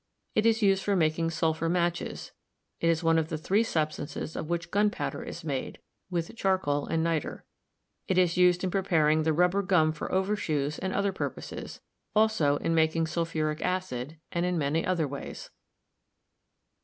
It is used for making sulphur matches; it is one of the three substances of which gunpowder is made (with charcoal and niter) ; it is used in preparing the rubber gum for overshoes and other purposes; also in making sulphuric acid and in many other ways.